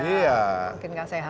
mungkin nggak sehat juga